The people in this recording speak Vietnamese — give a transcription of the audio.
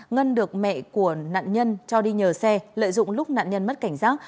ngân được mẹ của nạn nhân cho đi nhờ xe lợi dụng lúc nạn nhân mất cảnh giác